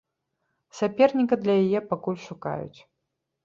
Саперніка для яе пакуль шукаюць.